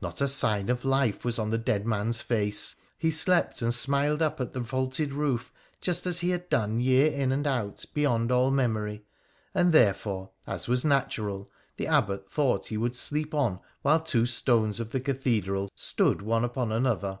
Not a sign of life was on the dead man's face. He slept and smiled up at the vaulted roof just as he had done year in and out beyond all memory, and therefore, as was natural, the Abbot thought he would sleep on while two stones of the cathedra] stood one upon another.